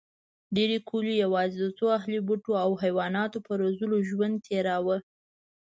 ډېرې کلیوې یواځې د څو اهلي بوټو او حیواناتو په روزلو ژوند تېراوه.